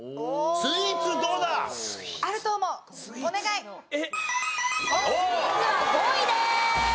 スイーツは５位です！